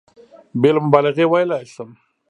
بېله مبالغې ویلای شم.